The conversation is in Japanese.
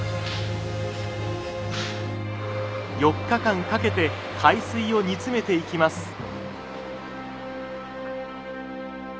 ４日間かけて海水を煮詰めていきます。